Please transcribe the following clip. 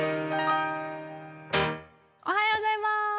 おはようございます！